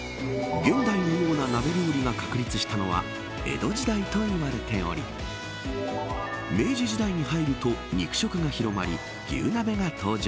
現代のような鍋料理が確立したのは江戸時代といわれており明治時代に入ると肉食が広まり、牛鍋が登場。